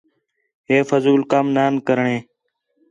ہِے فضول کَم نان کرݨیں